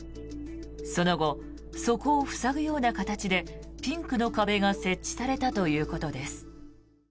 その後、そこを塞ぐような形でピンクの壁が設置されたということです。